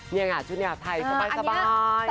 เนี่ยค่ะชุดนี้แบบไทยสบาย